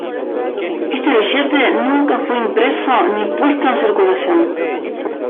Este billete nunca fue impreso ni puesto en circulación.